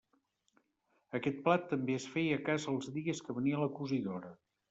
Aquest plat també es feia a casa els dies que venia la cosidora.